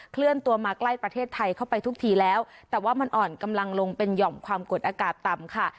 เคลื่อนตัวมาใกล้ประเทศไทยเข้าไปทุกทีแล้วแต่ว่ามันอ่อนกำลังลงเป็นหย่อมความกดอากาศต่ำค่ะ